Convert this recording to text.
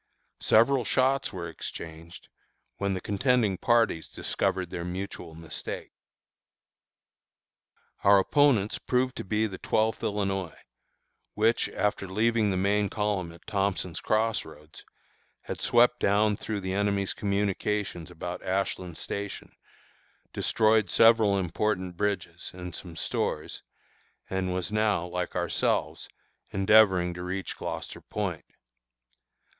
Several shots were exchanged, when the contending parties discovered their mutual mistake. Our opponents proved to be the Twelfth Illinois, which, after leaving the main column at Thompson's Cross Roads, had swept down through the enemy's communications about Ashland Station, destroyed several important bridges and some stores, and was now, like ourselves, endeavoring to reach Gloucester Point.